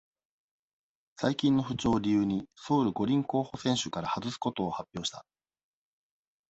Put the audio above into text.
最近の不調を理由に、ソウル五輪候補選手から外すことを発表した。